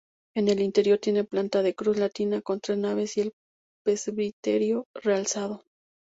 El interior tiene planta de cruz latina, con tres naves y el presbiterio realzado.